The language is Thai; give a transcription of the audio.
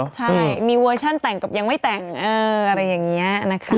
ใช่มีเวอร์ชั่นแต่งกับยังไม่แต่งอะไรอย่างนี้นะคะ